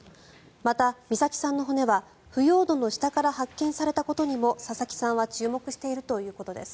また美咲さんの骨は腐葉土の下から発見されたことにも佐々木さんは注目しているということです。